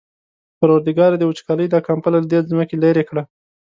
پروردګاره د وچکالۍ دا کمپله له دې ځمکې لېرې کړه.